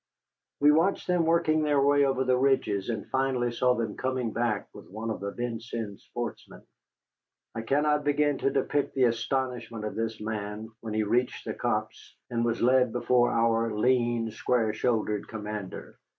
We watched them working their way over the ridges, and finally saw them coming back with one of the Vincennes sportsmen. I cannot begin to depict the astonishment of this man when he reached the copse, and was led before our lean, square shouldered commander.